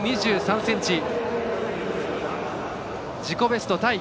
自己ベストタイ。